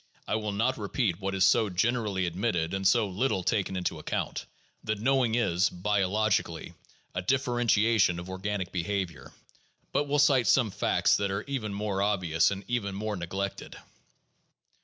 I will not repeat what is so generally admitted and so little taken into account, that knowing is, biologically, a differentiation of organic behavior, but will cite some facts that are even more obvious and even more neglected.